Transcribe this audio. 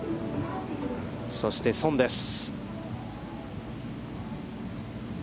そして、宋です。